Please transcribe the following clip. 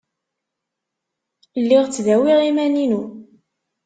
Lliɣ ttdawiɣ iman-inu.